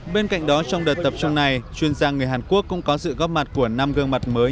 bên cạnh đó trong đợt tập trung này chuyên gia người hàn quốc cũng có sự góp mặt của năm gương mặt mới